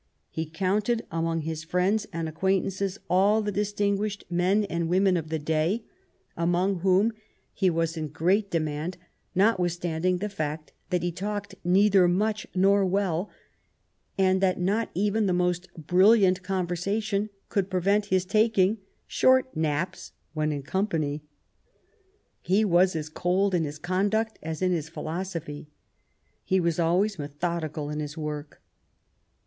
He counted among his friends and acquaintances all the distinguished men and women of the day ; among whom he was in great demand, notwithstanding the fact that he talked neither much nor well, and that not even the most brilliant conversation could prevent his taking short naps when in company. He was as cold in his conduct as in his philosophy. He was always methodical in his work.